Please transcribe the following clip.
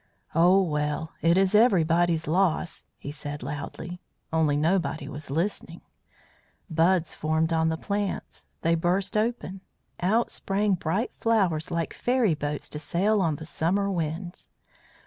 "Oh, well, it is everybody's loss!" he said loudly only nobody was listening. Buds formed on the plants. They burst open. Out sprang bright flowers like fairy boats to sail on the summer winds.